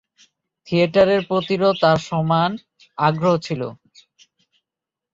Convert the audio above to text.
থিয়েটারের প্রতিও তার সমান আগ্রহ ছিল।